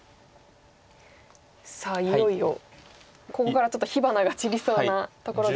いよいよここからちょっと火花が散りそうなところですが。